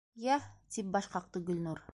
- Йә, - тип баш ҡаҡты Гөлнур.